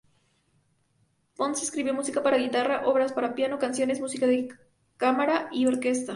Ponce escribió música para guitarra, obras para piano, canciones, música de cámara y orquesta.